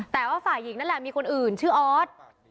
แต่ว่าฝ่ายหญิงนั่นแหละมีคนอื่นชื่อออส